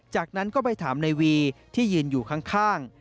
จากนั้นก็ไปถามในวีที่ยืนอยู่ข้าง